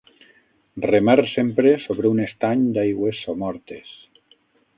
Remar sempre sobre un estany d'aigües somortes.